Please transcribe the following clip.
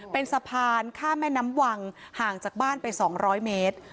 เป็นสะพานข้ามแม่น้ำวังห่างจากบ้านไป๒๐๐เมตร